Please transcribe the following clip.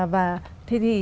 và thế thì